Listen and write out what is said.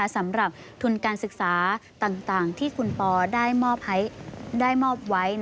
สำหรับทุนการศึกษาต่างที่คุณปอได้มอบไว้